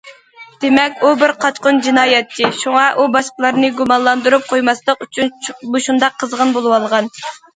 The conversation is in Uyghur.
دېمەك ئۇ بىر قاچقۇن جىنايەتچى، شۇڭا ئۇ باشقىلارنى گۇمانلاندۇرۇپ قويماسلىق ئۈچۈن مۇشۇنداق قىزغىن بولۇۋالغان.